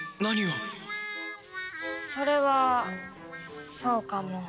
それはそうかも。